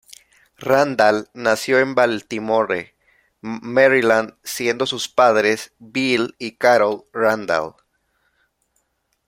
Randall nació en Baltimore, Maryland, siendo sus padres Bill y Carol Randall.